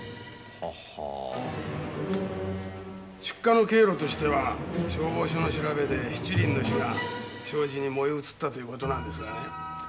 出火の経路としては消防署の調べで七輪の火が障子に燃え移ったという事なんですがね。